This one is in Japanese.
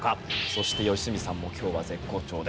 そして良純さんも今日は絶好調です。